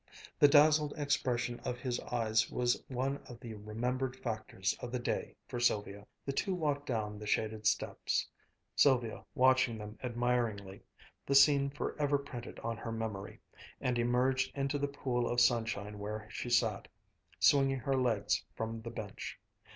The dazzled expression of his eyes was one of the remembered factors of the day for Sylvia. The two walked down the shaded steps, Sylvia watching them admiringly, the scene forever printed on her memory, and emerged into the pool of sunshine where she sat, swinging her legs from the bench.